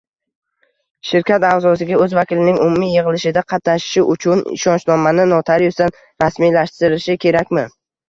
Shirkat aʼzosiga o‘z vakilining umumiy yig‘ilishida qatnashishi uchun ishonchnomani notariusdan rasmiylashtirishi kerakmi?